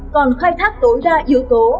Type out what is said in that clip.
còn khai thác tối ra yếu tố